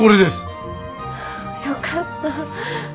よかった。